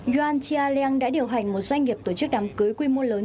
yuan xia liang đã điều hành một doanh nghiệp tổ chức đám cưới quy mô lớn